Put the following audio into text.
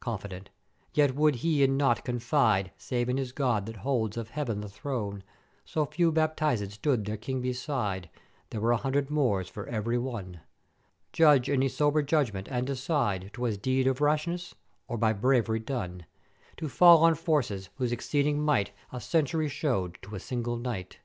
"Confident, yet would he in naught confide, save in his God that holds of Heav'en the throne; so few baptizèd stood their King beside, there were an hundred Moors for every one: Judge any sober judgment, and decide 'twas deed of rashness or by brav'ery done to fall on forces whose exceeding might a cent'ury showèd to a single Knight.